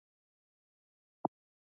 زه اوس په لندن کې ژوند کوم